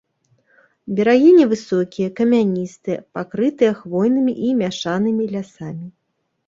Берагі невысокія, камяністыя, пакрытыя хвойнымі і мяшанымі лясамі.